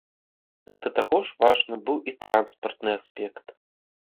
Да таго ж важным быў і транспартны аспект.